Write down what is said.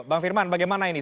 bang firman bagaimana ini